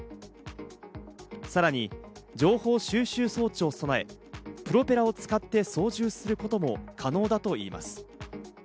さらに情報収集装置を備え、プロペラを使って操縦することも可能だといいます。